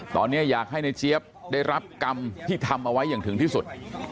ตอนนี้อยากให้ในเจี๊ยบได้รับกรรมที่ทำเอาไว้อย่างถึงที่สุด